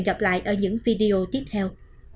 hẹn gặp lại ở những video tiếp theo